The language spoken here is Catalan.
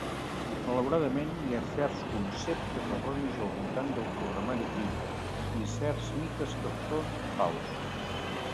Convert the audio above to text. Malauradament, hi ha certs conceptes erronis al voltant del programari lliure i certs mites que són falsos.